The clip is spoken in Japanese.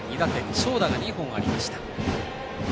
長打が２本ありました。